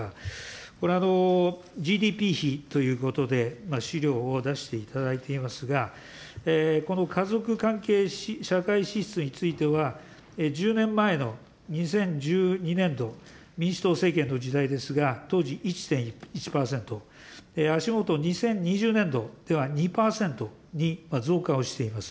これ、ＧＤＰひということで、資料を出していただいていますが、この家族関係社会支出については、１０年前の２０１２年度、民主党政権の時代ですが、当時１．１％、足下、２０２０年度では２％に増加をしています。